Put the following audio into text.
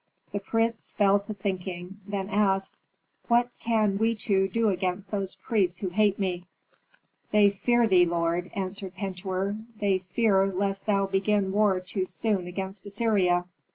The prince fell to thinking, then asked, "What can we two do against those priests who hate me?" "They fear thee, lord," answered Pentuer. "They fear lest thou begin war too soon against Assyria?"